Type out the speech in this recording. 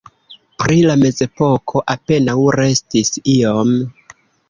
Pri la mezepoko apenaŭ restis iom.